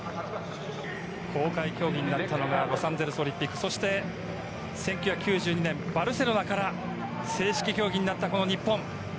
公開競技になったのはロサンゼルスオリンピック、１９９２年バルセロナから正式競技になった日本。